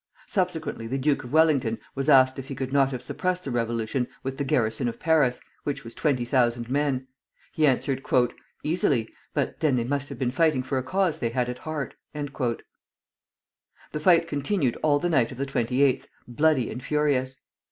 Subsequently the Duke of Wellington was asked if he could not have suppressed the revolution with the garrison of Paris, which was twenty thousand men. He answered, "Easily; but then they must have been fighting for a cause they had at heart." The fight continued all the night of the 28th, bloody and furious.